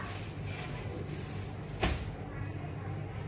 ติดลูกคลุม